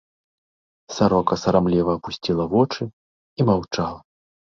Сарока сарамліва апусціла вочы і маўчала.